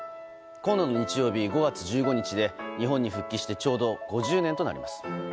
今度の日曜日、５月１５日で日本に復帰してちょうど５０年となります。